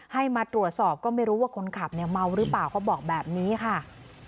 ให้มาตรวจสอบก็ไม่รู้ว่าคนขับเนี่ยเมาหรือเปล่าเขาบอกแบบนี้ค่ะ